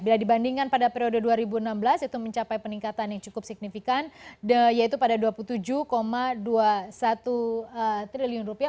bila dibandingkan pada periode dua ribu enam belas itu mencapai peningkatan yang cukup signifikan yaitu pada dua puluh tujuh dua puluh satu triliun rupiah